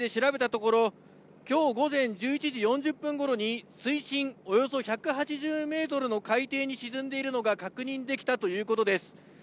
その後、無人潜水機で調べたところきょう午前１１時４０分ごろに水深およそ１８０メートルの海底に沈んでいるのが確認できたということです。